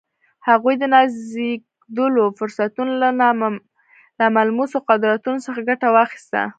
هغوی د نازېږېدلو فرصتونو له ناملموسو قدرتونو څخه ګټه واخیسته